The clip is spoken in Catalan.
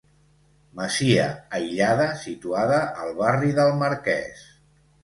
Masia aïllada, situada al barri del Marquès.